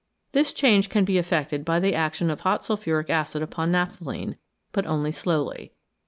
This change can be effected by the action of hot sulphuric acid upon naphthalene, but only slowly.